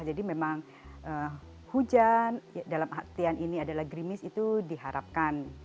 jadi memang hujan dalam artian ini adalah grimis itu diharapkan